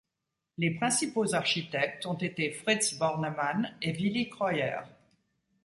Les principaux architectes ont été Fritz Bornemann et Willy Kreuer.